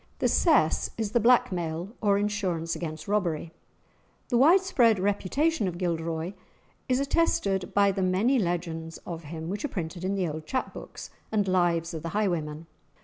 The "cess" is the blackmail, or insurance against robbery. The widespread reputation of Gilderoy is attested by the many legends of him which are printed in the old chap books and "Lives of the Highwaymen."